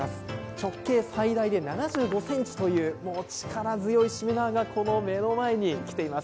直径最大で７５ｃｍという力強いしめ縄がこの目の前に来ています。